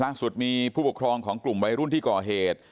ล่าสุดมีผู้ปกครองของกลุ่มวัยรุ่นที่ก่อเหตุ